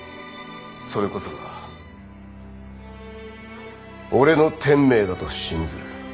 それこそが俺の天命だと信ずる。